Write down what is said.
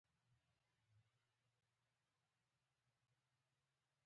په تېره بیا په دې وخت کې بد دی.